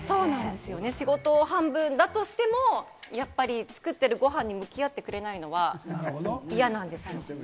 仕事半分だとしても、やっぱり作ってるご飯にも向き合ってくれないのは嫌なんですよ。